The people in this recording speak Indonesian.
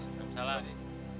wa'alaikumsalam pak ji